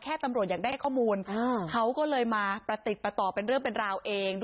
ตำรวจอยากได้ข้อมูลเขาก็เลยมาประติดประต่อเป็นเรื่องเป็นราวเอง